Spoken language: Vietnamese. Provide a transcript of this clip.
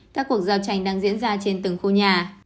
các cuộc giao tranh đang diễn ra trên từng khu nhà